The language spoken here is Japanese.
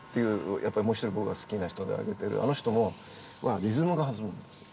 やっぱりもう一人僕が好きな人で挙げてるあの人はリズムが弾むんです。